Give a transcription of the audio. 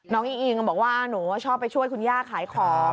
อิงอิงบอกว่าหนูชอบไปช่วยคุณย่าขายของ